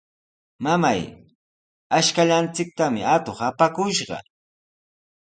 ¡Mamay, ashkallanchiktami atuq apakushqa!